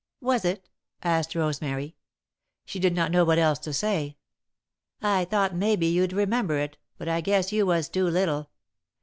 "Was it?" asked Rosemary. She did not know what else to say. "I thought maybe you'd remember it, but I guess you was too little.